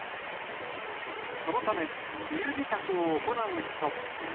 そのため、冬支度を行う人も。